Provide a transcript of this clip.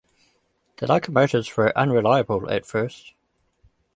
The locomotives were unreliable at first.